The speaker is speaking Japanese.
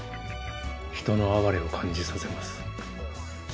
人の哀れを感じさせます。